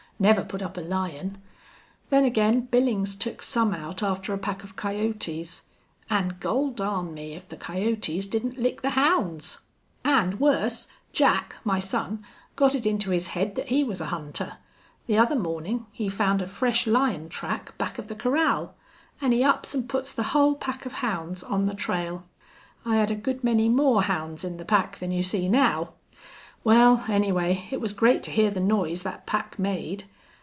Never put up a lion! Then again Billings took some out after a pack of coyotes, an' gol darn me if the coyotes didn't lick the hounds. An' wuss! Jack, my son, got it into his head thet he was a hunter. The other mornin' he found a fresh lion track back of the corral. An' he ups an' puts the whole pack of hounds on the trail. I had a good many more hounds in the pack than you see now. Wal, anyway, it was great to hear the noise thet pack made.